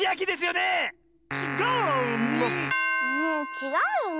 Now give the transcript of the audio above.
ちがうよね